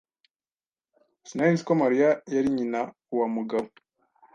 Sinari nzi ko Mariya yari nyina wa Mugabo.